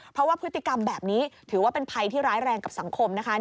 เพราะว่าพฤติกรรมแบบนี้ถือว่าเป็นภัยที่ร้ายแรงกับสังคมนะคะ